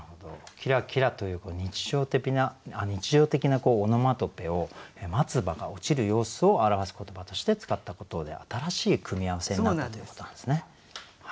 「きらきら」という日常的なオノマトペを松葉が落ちる様子を表す言葉として使ったことで新しい組み合わせになったということなんですね。